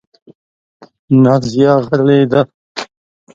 نازیه غلې ده .